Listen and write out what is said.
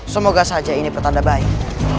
semoga saja ini pertanda baik